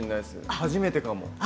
初めてかも。